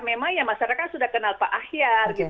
memang ya masyarakat sudah kenal pak ahyar gitu